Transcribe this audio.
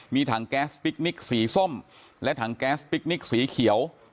มีถังแก๊สพิคนิคสีส้มและถังแก๊สพิคนิคสีเขียว